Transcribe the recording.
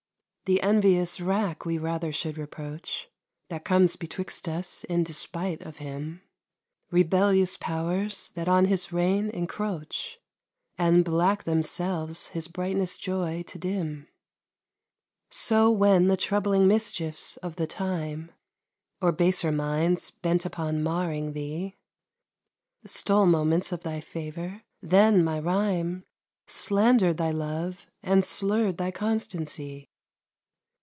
The envious rack we rather should reproach, That comes betwixt us in despite of him, Rebellious powers, that on his reign encroach, And, black themselves, his brightness joy to dim. So when the troubling mischiefs of the time, Or baser minds, bent upon marring thee, Stole moments of thy favour, then my rhyme Slander'd thy love and slurr'd thy constancy.